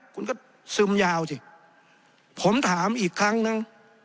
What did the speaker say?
คุณก็ซึมยาวสิผมถามอีกครั้งนึง